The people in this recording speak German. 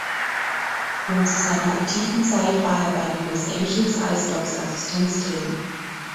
Schon zu seiner aktiven Zeit war er bei den Los Angeles Ice Dogs Assistenztrainer.